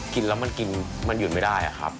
กินแล้วมันกินมันหยุดไม่ได้อะครับ